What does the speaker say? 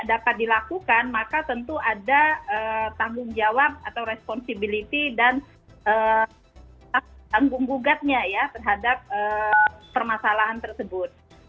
dapat dilakukan maka tentu ada tanggung jawab atau responsibility dan tanggung gugatnya ya terhadap permasalahan tersebut